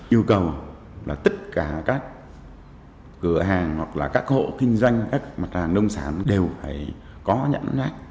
yêu cầu là tất cả các cửa hàng hoặc là các hộ kinh doanh các mặt hàng nông sản đều phải có nhãn mát